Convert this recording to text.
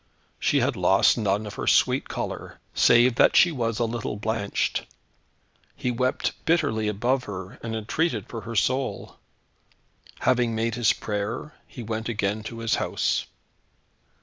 She had lost none of her sweet colour, save that she was a little blanched. He wept bitterly above her, and entreated for her soul. Having made his prayer, he went again to his house.